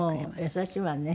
優しいわね。